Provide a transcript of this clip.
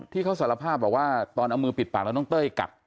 ที่เขาสารภาพบอกว่าตอนเอามือปิดปากแล้วน้องเต้ยกัด